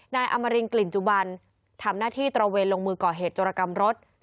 นายอมรินกลิ่นจุบันทำหน้าที่ตระเวนลงมือก่อเหตุโจรกรรมรถ